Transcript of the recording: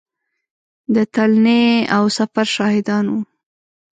د تلنې او سفر شاهدان وو.